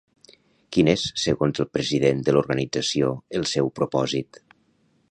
Quin és, segons el president de l'organització, el seu propòsit?